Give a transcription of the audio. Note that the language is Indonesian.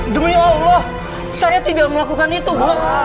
demi allah saya tidak melakukan itu bu